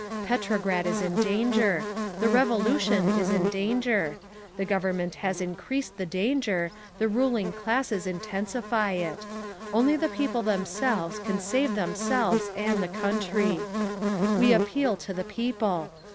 Petrograd is in danger! The Revolution is in danger! The Government has increased the danger—the ruling classes intensify it. Only the people themselves can save themselves and the country. "We appeal to the people.